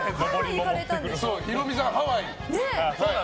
ヒロミさんはハワイに。